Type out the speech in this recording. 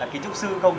là kiến trúc sư không